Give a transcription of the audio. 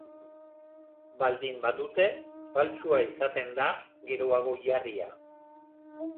Baldin badute, faltsua izaten da, geroago jarria.